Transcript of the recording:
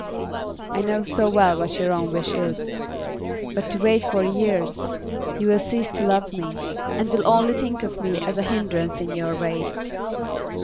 'I know so well what your own wish is. But to wait for years you will cease to love me, and will only think of me as a hindrance in your way.